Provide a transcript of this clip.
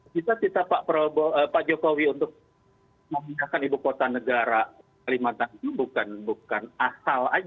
kita kita pak jokowi untuk memindahkan ibu kota negara kalimantan ini bukan asal saja